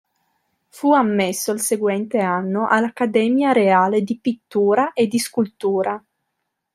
Fu ammesso il seguente anno all'accademia reale di pittura e di scultura.